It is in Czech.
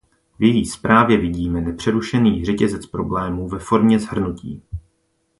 V její zprávě vidíme nepřerušený řetězec problémů ve formě shrnutí.